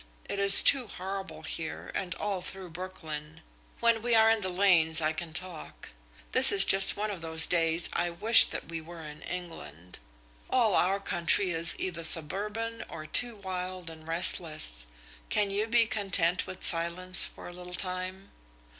It is too horrible here, and all through Brooklyn. When we are in the lanes I can talk. This is just one of those days I wish that we were in England. All our country is either suburban or too wild and restless. Can you be content with silence for a little time?"